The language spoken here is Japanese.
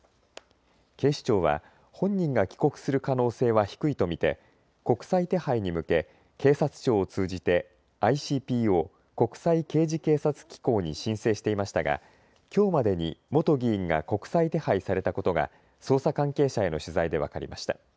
警視庁は本人が帰国する可能性は低いと見て国際手配に向け警察庁を通じてＩＣＰＯ・国際刑事警察機構に申請していましたがきょうまでに元議員が国際手配されたことが捜査関係者への取材で分かりました。